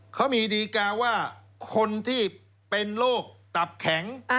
เขามีดีกาว่าคนที่เป็นโรคตับแข็ง